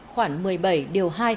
khoảng một mươi bảy điều hai